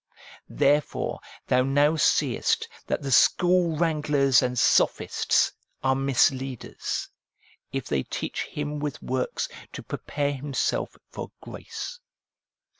There fore thou now seest that the school wranglers and sophists are misleaders, if they teach him with works to prepare himself for grace.